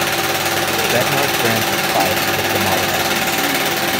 Bednarz brands his fifes with the name "Model F".